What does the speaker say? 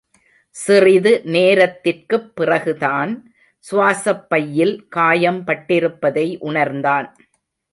சிறிது நேரத்திற்குப் பிறகு தான் சுவாசப்பையில் காயம் பட்டிருப்பதை உணர்ந்தான்.